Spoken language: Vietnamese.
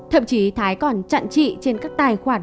thậm chí thái còn chặn trị trên các tài khoản